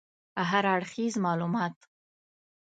هراړخیز معلومات